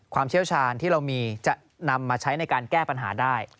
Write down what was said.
เชี่ยวชาญที่เรามีจะนำมาใช้ในการแก้ปัญหาได้